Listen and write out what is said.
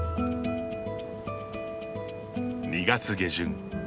２月下旬。